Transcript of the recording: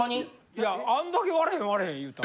いやあんだけ割れへん割れへん言うたら。